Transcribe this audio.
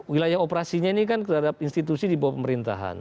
wilayah operasinya ini kan terhadap institusi di bawah pemerintahan